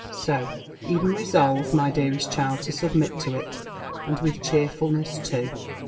So e'en resolve, my dearest child, to submit to it, and with cheerfulness too.